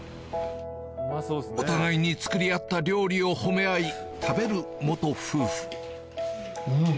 お互いに作り合った料理を褒め合い食べる夫婦うん！